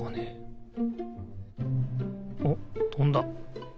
おっとんだ。